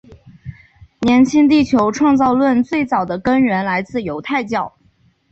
年轻地球创造论最早的根源来自犹太教。